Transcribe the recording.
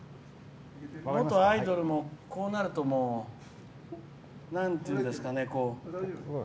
元アイドルもこうなるとなんていうんですかね。